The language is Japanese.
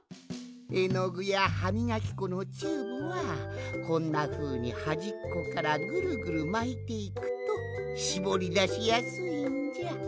えのぐやはみがきこのチューブはこんなふうにはじっこからぐるぐるまいていくとしぼりだしやすいんじゃ。